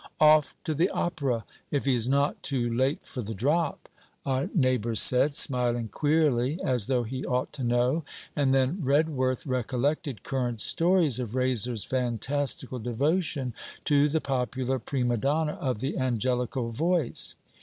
'Off to the Opera, if he's not too late for the drop,' a neighbour said, smiling queerly, as though he ought to know; and then Redworth recollected current stories of Raiser's fantastical devotion to the popular prima donna of the angelical voice.